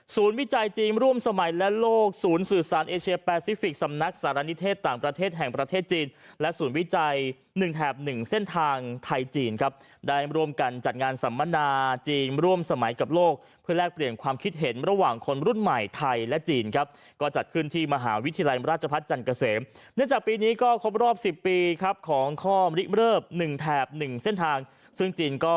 ศูนย์วิจัยจีนร่วมสมัยและโลกศูนย์สื่อสารเอเชียแปซิฟิกสำนักสารณิเทศต่างประเทศแห่งประเทศจีนและศูนย์วิจัยหนึ่งแถบหนึ่งเส้นทางไทยจีนครับได้รวมกันจัดงานสัมมนาจีนร่วมสมัยกับโลกเพื่อแลกเปลี่ยนความคิดเห็นระหว่างคนรุ่นใหม่ไทยและจีนครับก็จัดขึ้นที่มหาวิทยาล